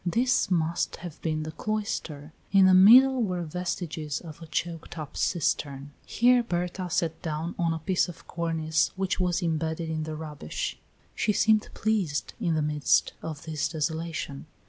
This must have been the cloister, in the middle were vestiges of a choked up cistern. Here Berta sat down on a piece of cornice which was imbedded in the rubbish. She seemed pleased in the midst of this desolation.